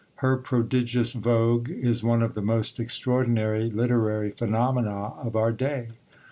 Her prodigious vogue is one of the most extraordinary literary phenomena of our day.